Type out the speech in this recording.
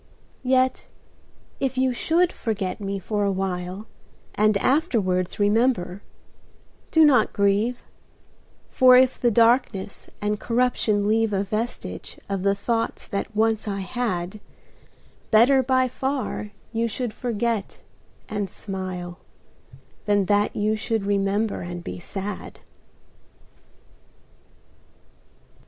Yet if you should forget me for a while And afterwards remember, do not grieve: For if the darkness and corruption leave A vestige of the thoughts that once I had, Better by far you should forget and smile Than that you should remember and be sad.